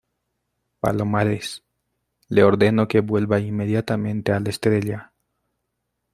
palomares, le ordeno que vuelva inmediatamente al Estrella.